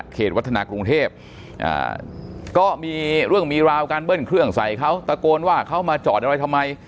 วัฒนากรุงเทพก็มีเรื่องมีราวการเบิ้ลเครื่องใส่เขาตะโกนว่าเขามาจอดอะไรทำไม